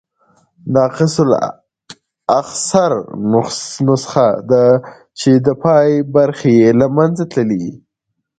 ناقص الاخرنسخه، چي د پای برخي ئې له منځه تللي يي.